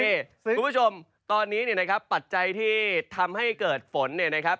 คุณผู้ชมตอนนี้เนี่ยนะครับปัจจัยที่ทำให้เกิดฝนเนี่ยนะครับ